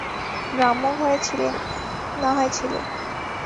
ব্রাহ্মঘরে ছিলে, নাহয় ছিলে।